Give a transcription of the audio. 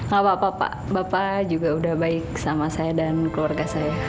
gak apa apa pak bapak juga udah baik sama saya dan keluarga saya